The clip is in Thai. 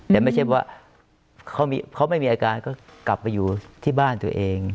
แต่ไม่ใช่ว่าเขาไม่มีอาการก็กลับไปอยู่ที่บ้านตัวเอง